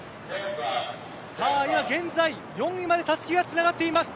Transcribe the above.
今現在４位までたすきがつながっています。